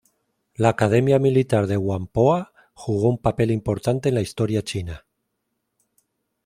La Academia Militar de Whampoa jugó un papel importante en la Historia china.